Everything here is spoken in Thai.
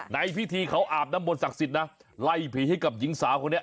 ในพิธีเขาอาบน้ำมนตศักดิ์สิทธิ์นะไล่ผีให้กับหญิงสาวคนนี้